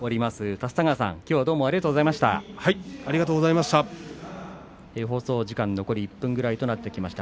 立田川さん、きょうはありがとうございました。